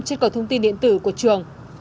trên cầu thông tin điện tử của trường